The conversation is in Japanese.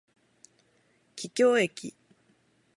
桔梗駅